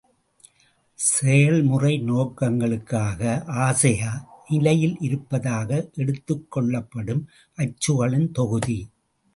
செயல்முறை நோக்கங்களுக்காக அசையா நிலையில் இருப்பதாக எடுத்துக் கொள்ளப்படும் அச்சுகளின் தொகுதி.